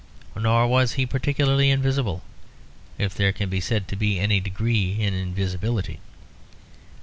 Nor was he particularly invisible, if there can be said to be any degrees in invisibility.